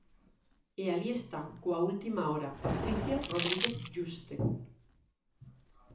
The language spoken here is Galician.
E alí está, coa última hora, Patricia Rodríguez Juste.